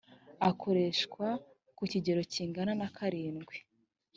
akoreshwa ku kigero kingana na karindwi